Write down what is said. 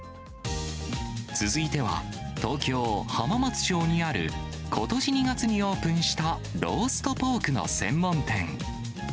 続いては、東京・浜松町にある、ことし２月にオープンしたローストポークの専門店。